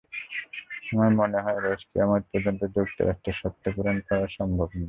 আমার মনে হয়, রোজ কেয়ামত পর্যন্ত যুক্তরাষ্ট্রের শর্ত পূরণ করা সম্ভব নয়।